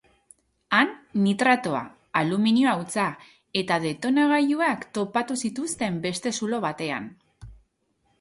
Han nitratoa, alumunio hautsa eta detonagailuak topatu zituzten beste zulo batean.